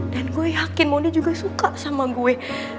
dan gue yakin mondi juga suka sama gue